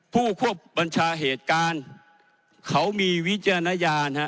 ผู้ครบบรรชาเหตุการณ์เขามีวิจญญาณ